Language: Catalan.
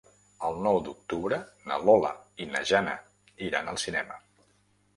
El nou d'octubre na Lola i na Jana iran al cinema.